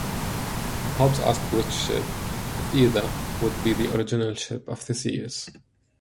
Hobbes asked which ship, if either, would be the original Ship of Theseus.